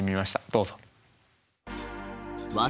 どうぞ。